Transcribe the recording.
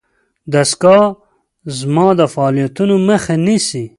دستګاه زما د فعالیتونو مخه نیسي.